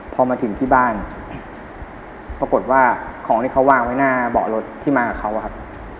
พอมาถึงที่บ้านปรากฏว่าของที่เขาวางไว้หน้าเบาะรถที่มากับเขาอะครับ